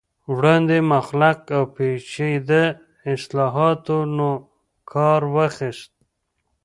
وړاندې مغلق او پیچیده اصطلاحاتو نه کار واخست